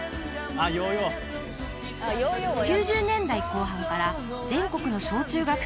［９０年代後半から全国の小中学生男子をとりこに］